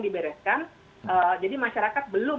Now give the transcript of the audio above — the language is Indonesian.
dibereskan jadi masyarakat belum